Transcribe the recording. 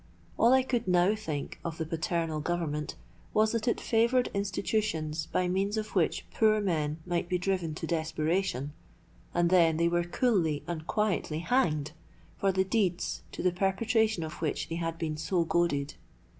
All I could now think of the paternal Government was, that it favoured institutions by means of which poor men might be driven to desperation, and then they were coolly and quietly hanged for the deeds to the perpetration of which they had been so goaded.